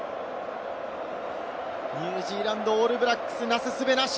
ニュージーランド、オールブラックス、為す術なし。